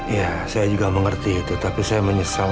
iya saya juga mengerti itu tapi saya menyesal